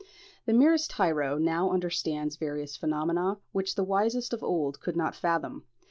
The merest tyro now understands various phenomena which the wisest of old could not fathom.